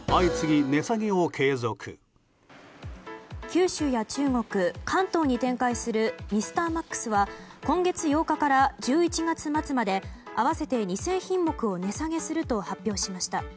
九州や中国関東に展開するミスターマックスは今月８日から１１月末まで合わせて２０００品目を値下げすると発表しました。